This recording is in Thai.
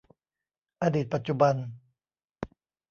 อดีตปัจจุบัน